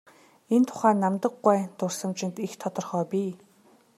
Энэ тухай Намдаг гуайн дурсамжид их тодорхой бий.